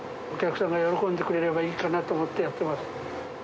お客さんが喜んでくれればいいかなと思ってやってます。